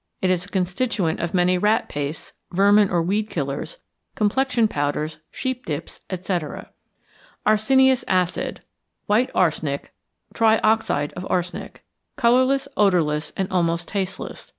It is a constituent of many rat pastes, vermin or weed killers, complexion powders, sheep dips, etc. =Arsenious Acid= (White Arsenic, Trioxide of Arsenic). Colourless, odourless, and almost tasteless.